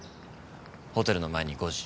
ホテルの前に５時。